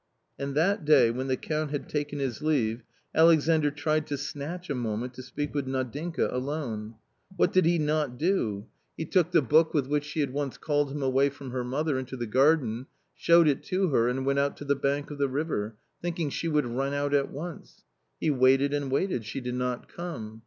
And that day, when the Count had taken his leave, Alexandr tried to snatch a moment to speak with Nadinka alone. What did he not do? He took the book with H H4 A COMMON STORY which she had once called him away from her mother into the garden, showed it to her, and went out to the bank of the river, thinking she would run out at once. He waited and waited — she did not come.